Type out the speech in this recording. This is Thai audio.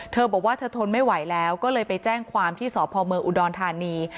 เธอบอกว่าเธอทนไม่ไหวแล้วก็เลยไปแจ้งความที่สพเมืองอุดรธานี